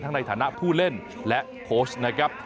ในฐานะผู้เล่นและโค้ชนะครับ